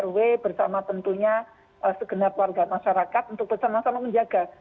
rw bersama tentunya segenap warga masyarakat untuk bersama sama menjaga